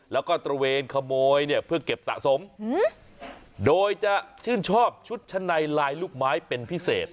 แล้วก็ตระเวนขโมยเนี่ยเพื่อเก็บสะสมโดยจะชื่นชอบชุดชั้นในลายลูกไม้เป็นพิเศษ